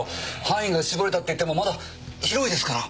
範囲が絞れたっていってもまだ広いですから。